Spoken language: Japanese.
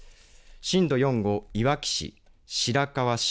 震度４をいわき市、白河市、